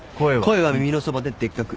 声は耳のそばででっかく。